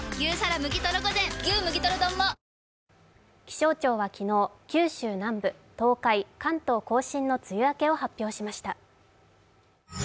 気象庁は昨日、九州南部、東海、関東甲信の梅雨明けを発表しました。